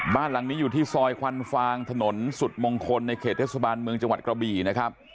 บ้านหลังนี้อยู่ที่ซอยควันฟางถนนสุดมงคลในเขตเทศบาลเมืองจังหวัดกระบี่นะครับ